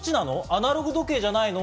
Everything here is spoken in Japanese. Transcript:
アナログ時計じゃないの？